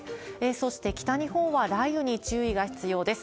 そして北日本は雷雨に注意が必要です。